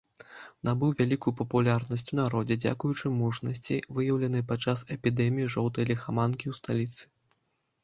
Набыў вялікую папулярнасць у народзе дзякуючы мужнасці, выяўленай падчас эпідэміі жоўтай ліхаманкі ў сталіцы.